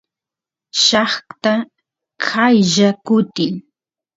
llaqta qaylla kutin